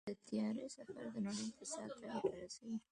د طیارې سفر د نړۍ اقتصاد ته ګټه رسوي.